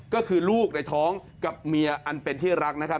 ก็คือลูกในท้องกับเมียอันเป็นที่รักนะครับ